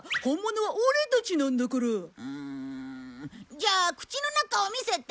うーんじゃあ口の中を見せて。